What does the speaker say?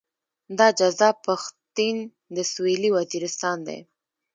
دا جذاب پښتين د سويلي وزيرستان دی.